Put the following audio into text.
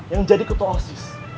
yang jadi ketua osis